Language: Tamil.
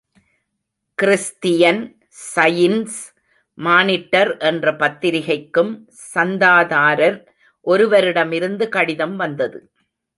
கிறிஸ்தியன் ஸயின்ஸ் மானிட்டர் என்ற பத்திரிகைக்கும் சந்தாதாரர் ஒருவரிடமிருந்து கடிதம் வந்தது.